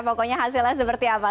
pokoknya hasilnya seperti apa